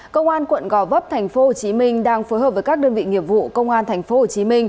công an quận gò vấp tp hcm đang phối hợp với các đơn vị nghiệp vụ công an tp hcm